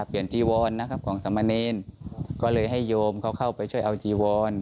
ชี้จีวอนก็เลยให้โยมไปช่วยเอาจีวอน